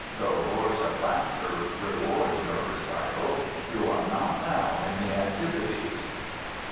Though roars of laughter reward your recital, you are not now in the antipodes.